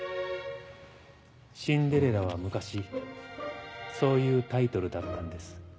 『シンデレラ』は昔そういうタイトルだったんです。